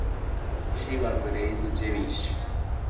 She was raised Jewish.